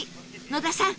野田さん